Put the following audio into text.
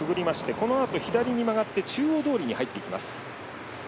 このあと左に曲がって中央通に入っています。